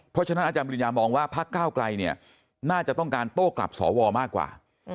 เพราะฉะนั้นอาจารย์ปริญญามองว่าพักก้าวไกลเนี่ยน่าจะต้องการโต้กลับสวมากกว่า